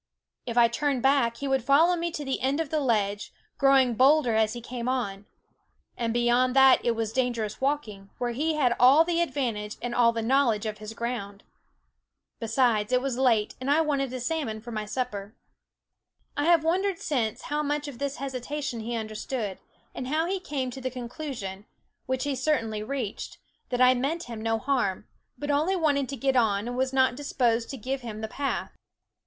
If I THE WOODS turned back, he would follow me to the end of the ledge, growing bolder as he came on ; and beyond that it was dangerous walking, where he had all the advantage and all the knowledge of his ground. Besides, it was late, and I wanted a salmon for my supper. I have wondered since how much of this hesitation he understood ; and how he came to the conclusion, which he certainly reached, that I meant him no harm, but only wanted to get on and was not disposed to give him the path.